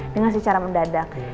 dengan secara mendadak